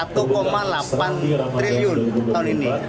satu delapan triliun tahun ini